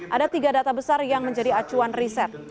ada tiga data besar yang menjadi acuan riset